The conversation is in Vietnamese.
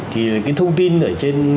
thì cái thông tin ở trên